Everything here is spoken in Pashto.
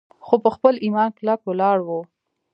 خو پۀ خپل ايمان کلک ولاړ وو